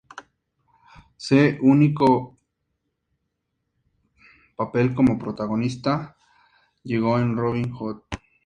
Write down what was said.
Su único papel como protagonista llegó en "Robin Hood, Jr.